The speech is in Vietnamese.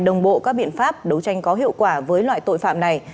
đồng bộ các biện pháp đấu tranh có hiệu quả với loại tội phạm này